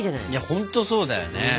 いや本当そうだよね。